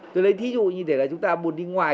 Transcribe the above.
thí dụ như thế là chúng ta buồn đi ngoài